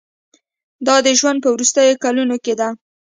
دا د ژوند په وروستیو کلونو کې ده.